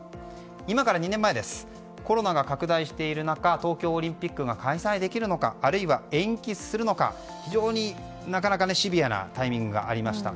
今から２年前コロナが拡大している中東京オリンピックが開催できるのかあるいは延期するのか非常になかなかシビアなタイミングがありました。